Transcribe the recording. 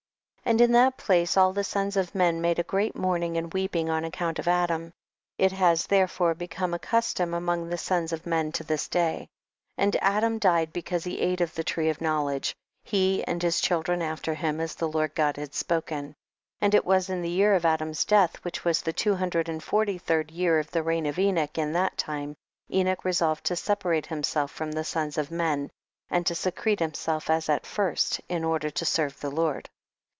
15. And in that place all the sons of men made a great mourning and weeping on account of Adam ; it has therefore become a custom among the sons of men to this day. 16. And Adam died because he ate of the tree of knowledge ; he and his children after him, as the Lord God had spoken. 17. And it was in the year of Adam's death which was tlie two hundred and forty third year of the reign of Enoch, in that time Enoch resolved to separate himself from the sons of men and to secrete himself as at first in order to serve the Lord.